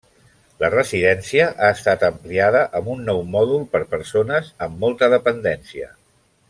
La residència ha estat ampliada amb un nou mòdul per persones amb molta dependència.